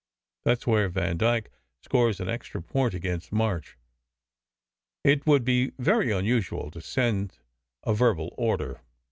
There s where Vandyke scores an extra point against March. It would be very unusual to send a verbal order."